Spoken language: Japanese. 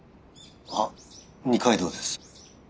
あっ二階堂です。